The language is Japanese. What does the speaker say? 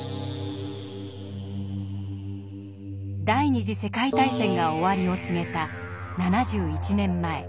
第二次世界大戦が終わりを告げた７１年前。